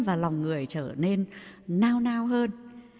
và lòng người trở nên nao nao hơn